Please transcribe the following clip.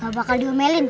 ga bakal diomelin